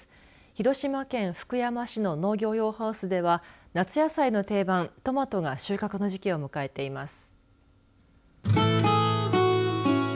広島県福山市の農業用ハウスでは夏野菜の定番、トマトが収穫の時期を迎えています。